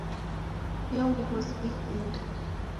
Iyo nguw'o siw'eikunda